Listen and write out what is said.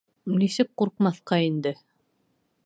Нисек ҡурҡмаҫҡа инде!